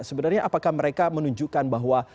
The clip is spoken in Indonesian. sebenarnya apakah mereka menunjukkan bahwa